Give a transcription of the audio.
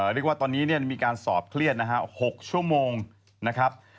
เรียกว่าตอนนี้มีการสอบเครียดนะฮะ๖ชั่วโมงนะครับ